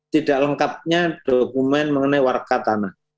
tidak lengkapnya dokumen mengenai warka tanah